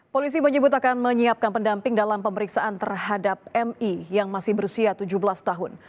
polisi menyebut akan menyiapkan pendamping dalam pemeriksaan terhadap mi yang masih berusia tujuh belas tahun